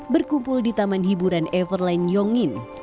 berkumpul di taman hiburan everland yongin